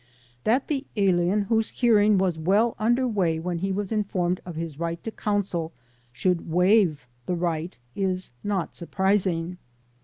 That the alien whose hearing was well under way when he was informed of his right to counsel should waive the right is not surprising.